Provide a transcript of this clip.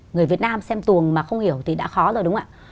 người việt nam xem tuồng mà không hiểu thì đã khó rồi đúng không ạ